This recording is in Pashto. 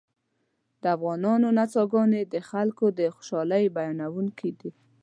د افغانانو نڅاګانې د خلکو د خوشحالۍ بیانوونکې دي